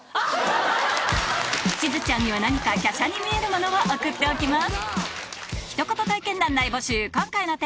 しずちゃんには何か華奢に見えるものを送っておきます